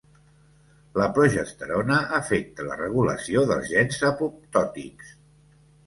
La progesterona afecta la regulació dels gens apoptòtics.